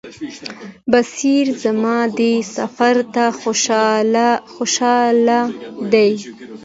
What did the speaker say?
بصیر زما دې سفر ته خوشاله دی.